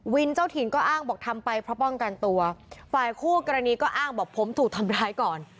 เจ้าถิ่นก็อ้างบอกทำไปเพราะป้องกันตัวฝ่ายคู่กรณีก็อ้างบอกผมถูกทำร้ายก่อน